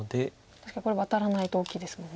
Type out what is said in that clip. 確かにこれワタらないと大きいですもんね。